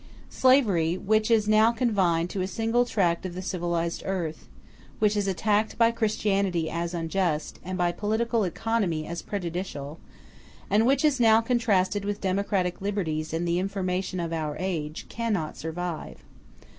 Slavery, which is now confined to a single tract of the civilized earth, which is attacked by Christianity as unjust, and by political economy as prejudicial; and which is now contrasted with democratic liberties and the information of our age, cannot survive.